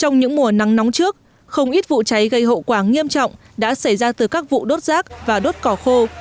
trong những mùa nắng nóng trước không ít vụ cháy gây hậu quả nghiêm trọng đã xảy ra từ các vụ đốt rác và đốt cỏ khô